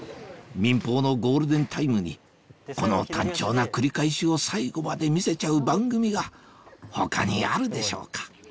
民放のゴールデンタイムにこの単調な繰り返しを最後まで見せちゃう番組が他にあるでしょうか？